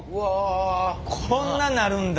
こんななるんだ！